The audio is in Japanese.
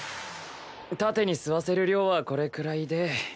盾に吸わせる量はこれくらいで。